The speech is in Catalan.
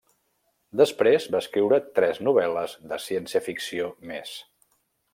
Després va escriure tres novel·les de ciència-ficció més.